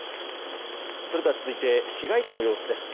それでは、続いて市街地の様子です。